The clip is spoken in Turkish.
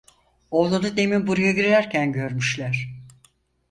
Oğlunu demin buraya girerken görmüşler…